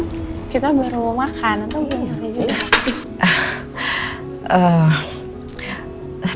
kita baru makan nanti beli makanan